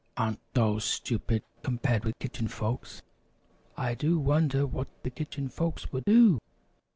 Aren't dolls stupid compared with Kitchen Folks? I do wonder what the Kitchen Folks will do.